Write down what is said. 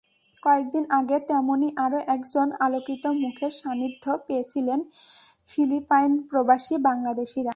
কয়েক দিন আগে তেমনি আরও একজন আলোকিত মুখের সান্নিধ্য পেয়েছিলেন ফিলিপাইনপ্রবাসী বাংলাদেশিরা।